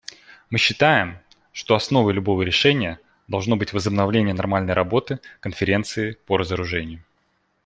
Мы считаем, что основой любого решения должно быть возобновление нормальной работы Конференции по разоружению.